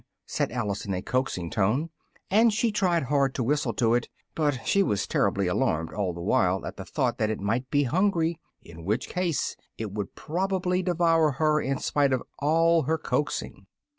said Alice in a coaxing tone, and she tried hard to whistle to it, but she was terribly alarmed all the while at the thought that it might be hungry, in which case it would probably devour her in spite of all her coaxing.